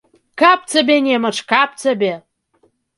Каб цябе немач, каб цябе!